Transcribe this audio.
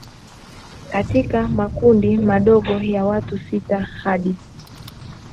katika makundi madogo ya watu sita hadi